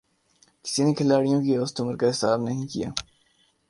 کسی نے کھلاڑیوں کی اوسط عمر کا حساب نہیں کِیا